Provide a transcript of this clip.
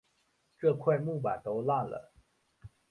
这块木板都烂了